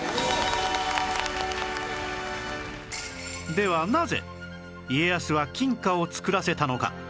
ではなぜ家康は金貨を作らせたのか？